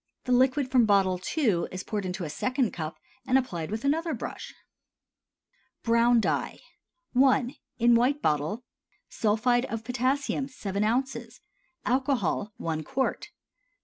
The liquid from bottle II. is poured into a second cup and applied with another brush. BROWN DYE. I. (In White Bottle.) Sulphide of potassium 7 oz. Alcohol 1 qt.